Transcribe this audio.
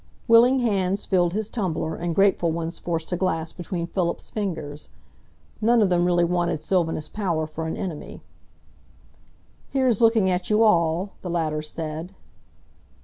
Willing hands filled his tumbler, and grateful ones forced a glass between Philip's fingers. None of them really wanted Sylvanus Power for an enemy. "Here's looking at you all," the latter said.